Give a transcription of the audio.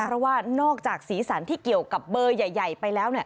เพราะว่านอกจากสีสันที่เกี่ยวกับเบอร์ใหญ่ไปแล้ว